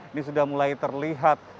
ini sudah mulai terlihat